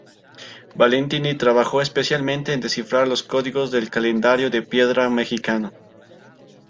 Valentini trabajó especialmente en descifrar los códigos del calendario de piedra mejicano.